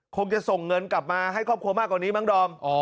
คงจะส่งเงินกลับมาให้ครอบครัวมากกว่านี้มั้งดอม